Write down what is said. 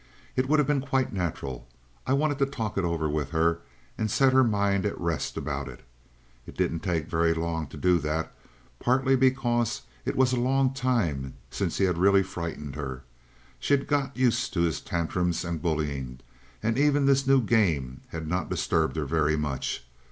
It would have been quite natural. I wanted to talk it over with her and set her mind at rest about it. It didn't take very long to do that, partly because it was a long time since he had really frightened her. She had got used to his tantrums and bullying; and even this new game had not disturbed her very much.